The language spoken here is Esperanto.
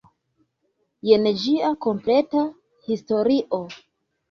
Jen ĝia kompleta historio.